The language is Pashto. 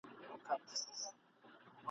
عبدالباري جهاني: رباعیات !.